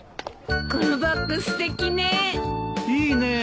このバッグすてきね。いいね。